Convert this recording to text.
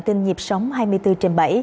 tin nhịp sóng hai mươi bốn trên bảy